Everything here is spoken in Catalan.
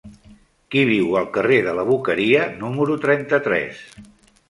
Qui viu al carrer de la Boqueria número trenta-tres?